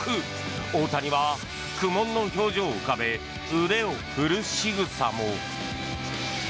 大谷は苦もんの表情を浮かべ腕を振るしぐさも。